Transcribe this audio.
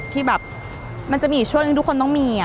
ที่มันจะมีช่วงที่ทุกคนต้องมี